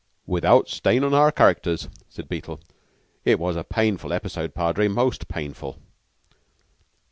"Without a stain on our characters," said Beetle. "It was a painful episode, Padre, most painful."